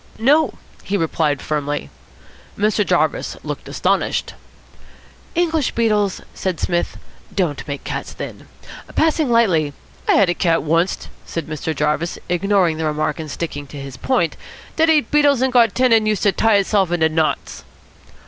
"No," he replied firmly. Mr. Jarvis looked astonished. "English beetles," said Psmith, "don't make cats thin. Passing lightly " "I had a cat oncest," said Mr. Jarvis, ignoring the remark and sticking to his point, "dat ate beetles and got thin and used to tie itself into knots."